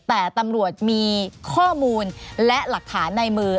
แต่ตำรวจมีข้อมูลและหลักฐานในมือ